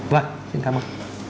vâng xin cảm ơn